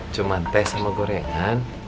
cuma teh sama gorengan